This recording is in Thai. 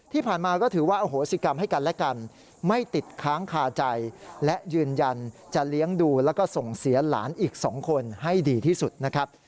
ที่ผ่านมาก็ถือว่าอโหสิกรรมให้กันและกันไม่ติดค้างคาใจและยืนยันจะเลี้ยงดูแล้วก็ส่งเสียหลานอีก๒คนให้ดีที่สุดนะครับ